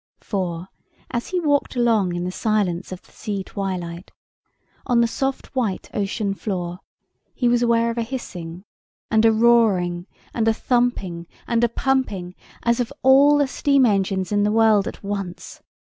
For, as he walked along in the silence of the sea twilight, on the soft white ocean floor, he was aware of a hissing, and a roaring, and a thumping, and a pumping, as of all the steam engines in the world at once.